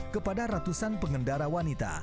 kepada ratusan pengendara wanita